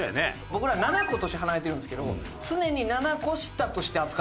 僕ら７個年離れてるんですけど常に７個下として扱ってくるんですよ。